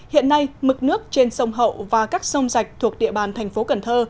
hiện nay mực nước trên sông hậu và các sông rạch thuộc địa bàn thành phố cần thơ